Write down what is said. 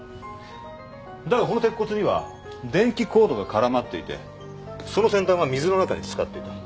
だがこの鉄骨には電気コードが絡まっていてその先端は水の中につかっていた。